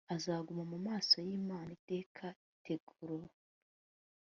azaguma mu maso y imana iteka itegura